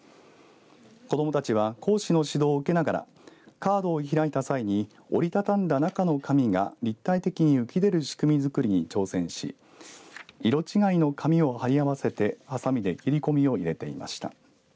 子どもたちは講師の指導を受けながらカードを開いた際に折り畳んだ中の紙が立体的に浮き出る仕組みづくりに挑戦し色違いの紙を貼り合わせてはさみで切り込みを入れていました。